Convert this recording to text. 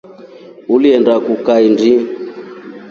Uliinda kuu kaindi?